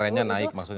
trendnya naik maksudnya